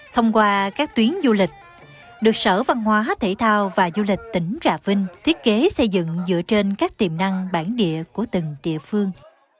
thông qua các tuyến du lịch được sở văn hóa thể thao và du lịch tỉnh trà vinh thiết kế xây dựng dựa trên các tiềm năng bản địa của từng địa phương